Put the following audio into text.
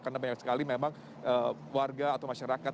karena banyak sekali memang warga atau masyarakat